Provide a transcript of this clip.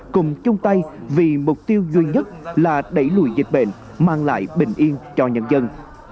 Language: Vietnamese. cùng chung tay vì mục tiêu duy nhất là đẩy lùi dịch bệnh mang lại bình yên cho nhân dân